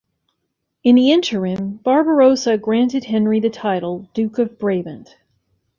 In the interim, Barbarossa granted Henry the title "Duke of Brabant".